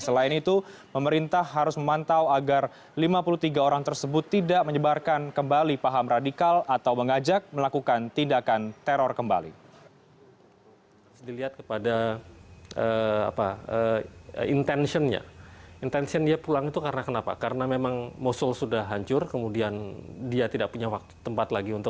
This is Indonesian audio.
selain itu pemerintah harus memantau agar lima puluh tiga orang tersebut tidak menyebarkan kembali paham radikal atau mengajak melakukan tindakan teror kembali